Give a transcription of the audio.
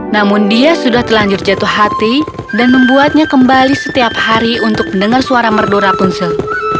namun dia sudah telanjur jatuh hati dan membuatnya kembali setiap hari untuk mendengar suara merdu rapunzel